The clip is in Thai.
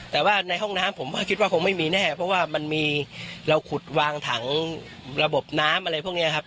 แต่ว่าในห้องน้ำผมก็คิดว่าคงไม่มีแน่เพราะว่ามันมีเราขุดวางถังระบบน้ำอะไรพวกนี้ครับ